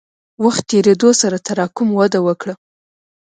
وخت تېرېدو سره تراکم وده وکړه.